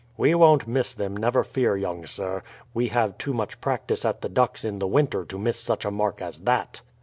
"We won't miss them, never fear, young sir. We have too much practice at the ducks in the winter to miss such a mark as that."